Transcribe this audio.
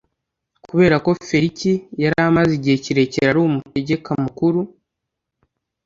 kubera ko Feliki yari amaze igihe kirekire ari umutegeka mukuru